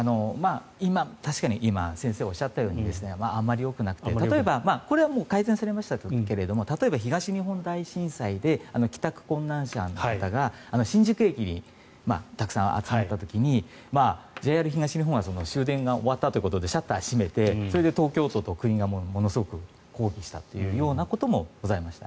今、確かに先生がおっしゃったとおりあまりよくなくて例えば、これは改善されましたが例えば東日本大震災で帰宅困難者の方が新宿駅にたくさん集まった時にＪＲ東日本は終電が終わったということでシャッターを閉めてそれで東京都と国がものすごく抗議したということもありました。